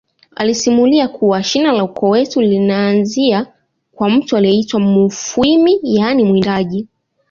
alisimulia kuwa shina la ukoo wetu linaanzia kwa mtu aliyeitwa mufwimi yaani mwindaji